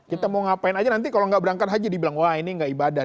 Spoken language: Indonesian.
kita mau ngapain aja nanti kalau nggak berangkat haji dibilang wah ini nggak ibadah